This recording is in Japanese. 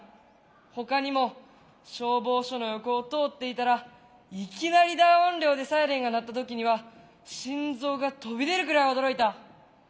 ほかにも消防署の横を通っていたらいきなり大音量でサイレンが鳴った時には心臓が飛び出るくらい驚いた。